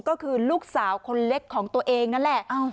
ก็คือลูกสาวคนเล็กของตัวเองนั่นแหละ